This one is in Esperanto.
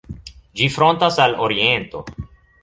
Ĝi frontas al oriento.